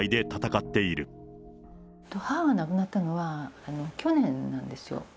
母が亡くなったのは、去年なんですよ。